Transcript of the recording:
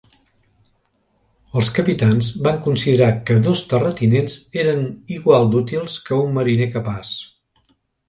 Els capitans van considerar que dos terratinents eren igual d'útils que un mariner capaç.